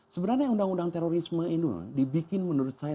sebenarnya undang undang terorisme ini dibikin menurut saya